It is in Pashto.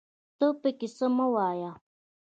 ته پکې څه مه وايه